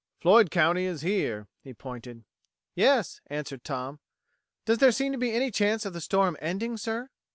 Floyd County is here." He pointed. "Yes," answered Tom. "Does there seem to be any chance of the storm ending, sir?"